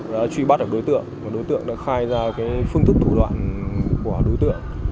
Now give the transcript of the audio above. đã truy bắt được đối tượng và đối tượng đã khai ra phương thức thủ đoạn của đối tượng